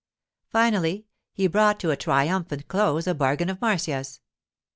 Finally he brought to a triumphant close a bargain of Marcia's.